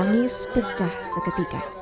lalu danced percah seketika